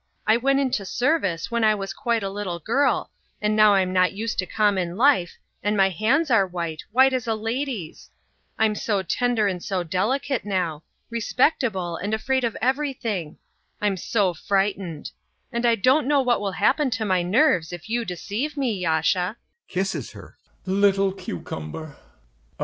I went into service when I was quite a little girl, and now I'm not used to common life, and my hands are white, white as a lady's. I'm so tender and so delicate now; respectable and afraid of everything.... I'm so frightened. And I don't know what will happen to my nerves if you deceive me, Yasha. YASHA.